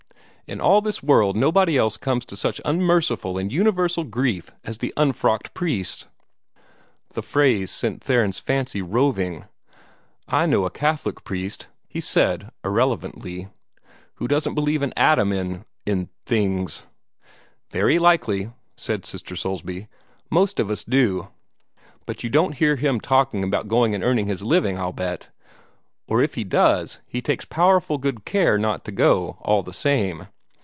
In all this world nobody else comes to such unmerciful and universal grief as the unfrocked priest." The phrase sent Theron's fancy roving. "I know a Catholic priest," he said irrelevantly, "who doesn't believe an atom in in things." "Very likely," said Sister Soulsby. "Most of us do. But you don't hear him talking about going and earning his living, I'll bet! Or if he does, he takes powerful good care not to go, all the same.